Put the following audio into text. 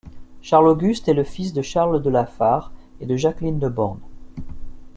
Charles-Auguste est le fils de Charles de La Fare et de Jacqueline de Borne.